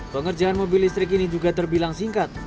pengerjaan mobil listrik ini juga terbilang singkat